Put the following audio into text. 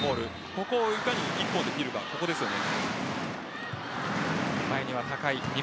ここをいかに１本で切るかここですよね。